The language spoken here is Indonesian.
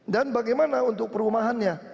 dan bagaimana untuk perumahannya